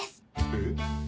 えっ？